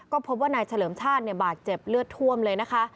ก็พบว่านายเฉลิมชาติบาดเจ็บเลือดท่วมเลยนะคะ